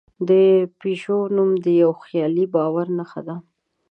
د پيژو نوم د یوه خیالي باور نښه ده.